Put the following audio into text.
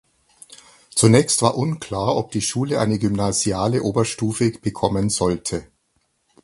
Zunächst war unklar ob die Schule eine gymnasiale Oberstufe bekommen sollte.